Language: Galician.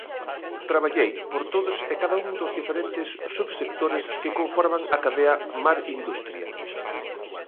Traballei por todos e cada un dos diferentes subsectores que conforman a cadea mar-industria.